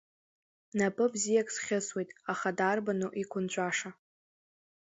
Напы бзиак схьысуеит, аха дарбану, иқәынҵәаша?